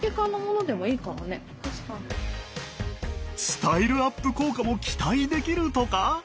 スタイルアップ効果も期待できるとか！？